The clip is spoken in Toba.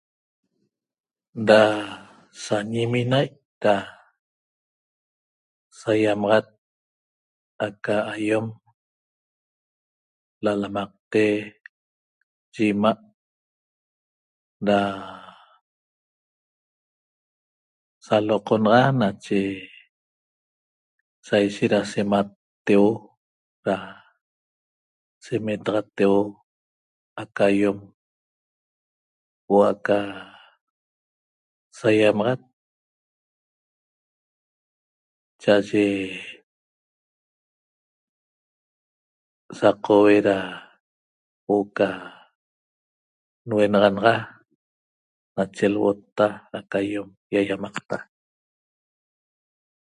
Da sa ñiminai' da saýamaxat aca ayom lalamaqte yi 'ima' da saloqonaxan nache sa ishet da sematteuo da semetaxateuo aca ayom huo'o aca saiamaxat cha'aye saqoue da huo'o ca nuenaxanaxa nache lhuotta aca ayom ýaýamaqta